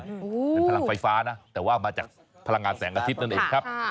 เป็นพลังไฟฟ้านะแต่ว่ามาจากพลังงานแสงอาทิตย์นั่นเองครับ